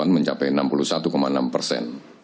mencapai enam puluh satu enam persen